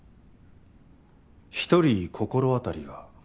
１人心当たりが。